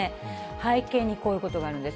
背景にこういうことがあるんです。